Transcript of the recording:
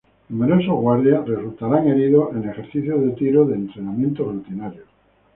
Numerosos guardias resultaban heridos en ejercicios de tiro de entrenamiento rutinario.